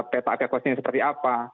peta evakuasinya seperti apa